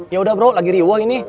yaudah bro lagi riwoh ini